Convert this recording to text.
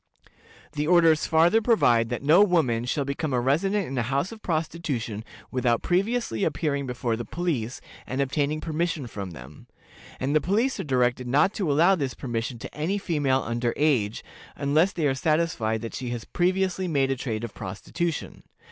The orders farther provide that no woman shall become a resident in a house of prostitution without previously appearing before the police, and obtaining permission from them; and the police are directed not to allow this permission to any female under age, unless they are satisfied that she has previously made a trade of prostitution.